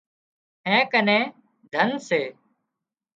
اين ڪنين ڌنَ سي